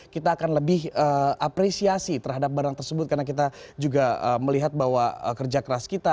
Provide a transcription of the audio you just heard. kita akan lebih apresiasi terhadap barang tersebut karena kita juga melihat bahwa kerja keras kita